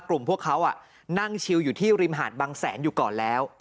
กลุ่มพวกเขานั่งชิวอยู่ที่ริมหาดบางแสนอยู่ก่อนแล้ว